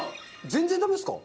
全然ダメですか？